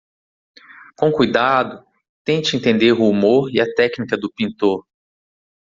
Com cuidado, tente entender o humor e a técnica do pintor